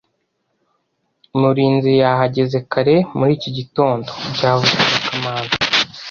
Murinzi yahageze kare muri iki gitondo byavuzwe na kamanzi